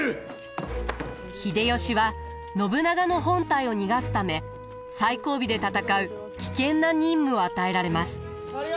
秀吉は信長の本隊を逃がすため最後尾で戦う危険な任務を与えられます。